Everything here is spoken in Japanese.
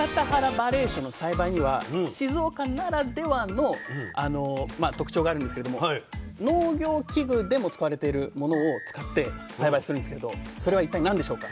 ばれいしょの栽培には静岡ならではの特徴があるんですけれども農業機具でも使われているものを使って栽培するんですけどそれは一体何でしょうか？